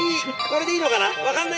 これでいいのかな？